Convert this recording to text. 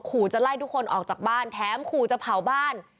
ขู่จะไล่ทุกคนออกจากบ้านแถมขู่จะเผาบ้าน